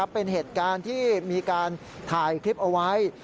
เป็นเหตุการณ์ที่มีการถ่ายคลิปเอาไว้